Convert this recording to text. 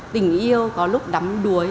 tình yêu có lúc đắm đuối